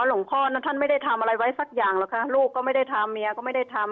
หลวงพ่อนั้นท่านไม่ได้ทำอะไรไว้สักอย่างหรอกค่ะลูกก็ไม่ได้ทำเมียก็ไม่ได้ทำ